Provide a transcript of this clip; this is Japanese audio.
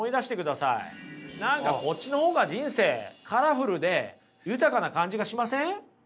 何かこっちの方が人生カラフルで豊かな感じがしません？